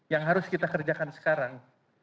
yang harus kita kerjakan sekarang